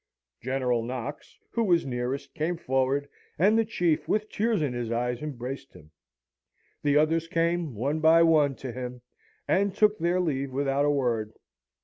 General Knox, who was nearest, came forward, and the Chief, with tears in his eyes, embraced him. The others came, one by one, to him, and took their leave without a word.